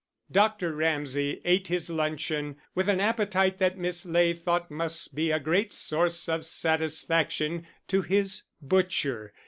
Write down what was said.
Dr. Ramsay ate his luncheon with an appetite that Miss Ley thought must be a great source of satisfaction to his butcher.